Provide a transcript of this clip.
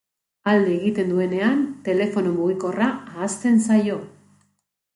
Alde egiten duenean, telefono mugikorra ahazten zaio.